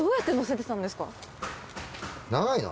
長いの？